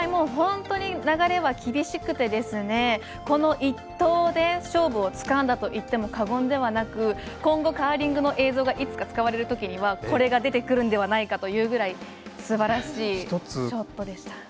本当に流れは厳しくてこの１投で勝負をつかんだといっても過言ではなく今後、カーリングの映像がいつか使われるときにはこれが出てくるのではないのではというぐらいすばらしいショットでした。